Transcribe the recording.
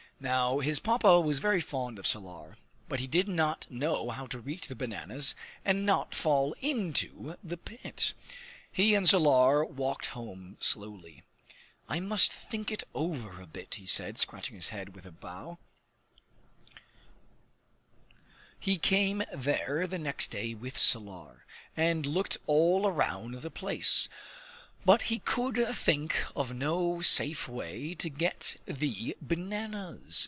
Now his Papa was very fond of Salar, but he did not know how to reach the bananas and not fall into the pit. He and Salar walked home slowly. "I must think it over a bit," he said, scratching his head with a bough. He came there the next day with Salar, and looked all around the place; but he could think of no safe way to get the bananas.